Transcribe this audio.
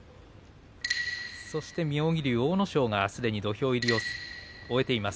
そして妙義龍、阿武咲がすでに土俵入りを終えています。